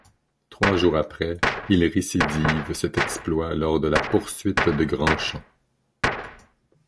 Trois jours après, il récidive cet exploit lors de la poursuite de Grandchamps.